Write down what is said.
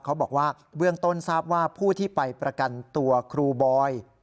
เขาบอกว่าเบื้องต้นทราบว่าผู้ที่ไปประกันตัวครูบอย